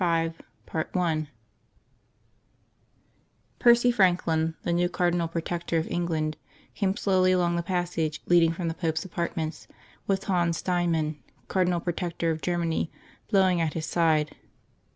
CHAPTER V I Percy Franklin, the new Cardinal Protector of England, came slowly along the passage leading from the Pope's apartments, with Hans Steinmann, Cardinal Protector of Germany, blowing at his side.